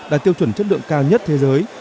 đã tiêu chuẩn chất lượng cao nhất thế giới